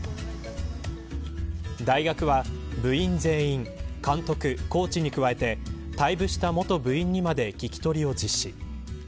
大学は部員全員監督、コーチに加えて退部した元部員にまで聞き取りを実施。